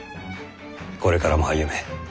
これからも励め。